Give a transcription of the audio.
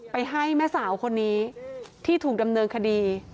ให้แม่สาวคนนี้ที่ถูกดำเนินคดี